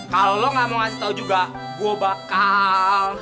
kalau lo gak mau kasih tau juga gue bakal